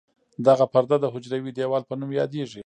دغه پرده د حجروي دیوال په نوم یادیږي.